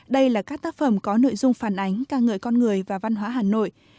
đây là các tác phẩm có nội dung phản ánh ca ngợi con người và văn hóa hà nội